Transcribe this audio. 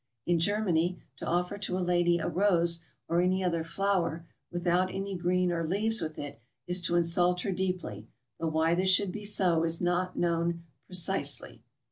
In Germany, to offer to a lady a rose, or any other flower, without any green or leaves with it, is to insult her deeply, though why this should be so is not known pre cisely.